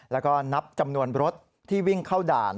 แล้วก็นับจำนวนรถที่วิ่งเข้าด่าน